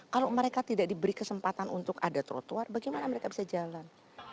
kalau mereka tidak diberi kesempatan untuk ada trotoar bagaimana mereka bisa jalan